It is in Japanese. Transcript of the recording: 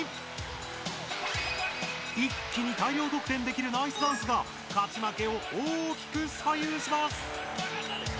一気に大量得点できるナイスダンスが勝ち負けを大きく左右します！